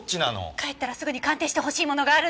帰ったらすぐに鑑定してほしいものがあるんです。